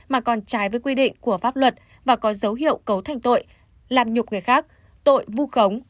mà còn trái với quy định của pháp luật và có dấu hiệu cấu thành tội làm nhục người khác tội vu khống